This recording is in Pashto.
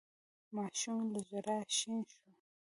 ماشوم له ژړا شين شو.